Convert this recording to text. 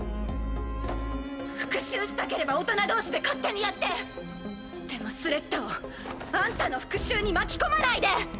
復讐したければ大人同士で勝手にやって！でもスレッタをあんたの復讐に巻き込まないで！